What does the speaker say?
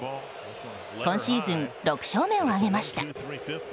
今シーズン６勝目を挙げました。